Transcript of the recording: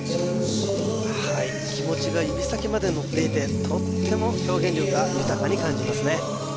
はい気持ちが指先までのっていてとっても表現力が豊かに感じますね